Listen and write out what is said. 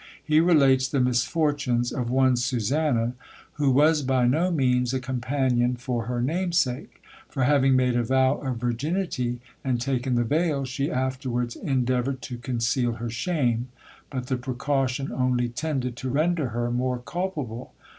He relates the misfortunes of one Susannah, who was by no means a companion for her namesake; for having made a vow of virginity, and taken the veil, she afterwards endeavoured to conceal her shame, but the precaution only tended to render her more culpable.